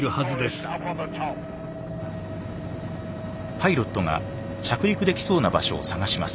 パイロットが着陸できそうな場所を探します。